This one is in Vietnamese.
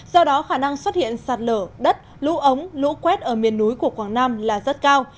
do đó khả năng xuất hiện sạt lở đất lũ ống lũ quét ở miền núi của quảng nam là rất cao